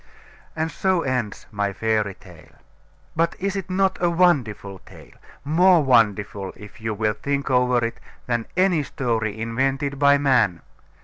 And so ends my fairy tale. But is it not a wonderful tale? More wonderful, if you will think over it, than any story invented by man.